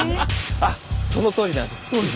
あっそのとおりなんです。